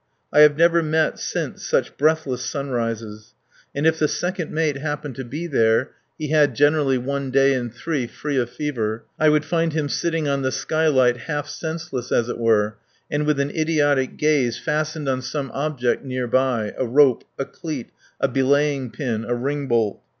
I have never met since such breathless sunrises. And if the second mate happened to be there (he had generally one day in three free of fever) I would find him sitting on the skylight half senseless, as it were, and with an idiotic gaze fastened on some object near by a rope, a cleat, a belaying pin, a ringbolt.